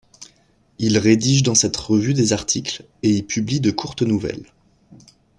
Il rédige dans cette revue des articles et y publie de courtes nouvelles.